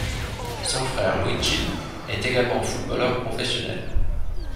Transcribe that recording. Son frère Luigi est également footballeur professionnel.